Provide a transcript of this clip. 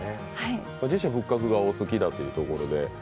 寺社仏閣がお好きだということで。